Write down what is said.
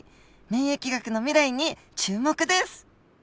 免疫学の未来に注目です。